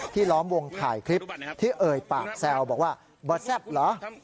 ล้อมวงถ่ายคลิปที่เอ่ยปากแซวบอกว่าบ่อแซ่บเหรอ